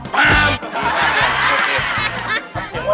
ว้าว